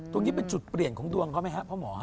ตรงนี้เป็นจุดเปลี่ยนของดวงเขาไหมครับพ่อหมอ